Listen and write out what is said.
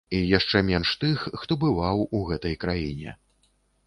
І яшчэ менш тых, хто бываў у гэтай краіне.